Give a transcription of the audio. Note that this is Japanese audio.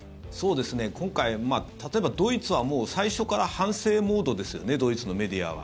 今回、例えばドイツは最初から反省モードですよねドイツのメディアは。